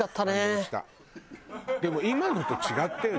でも今のと違ったよね。